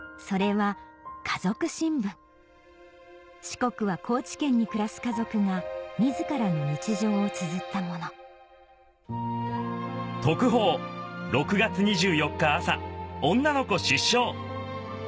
四国は高知県に暮らす家族が自らの日常をつづったもの「特報６月２４日朝女の子出生！」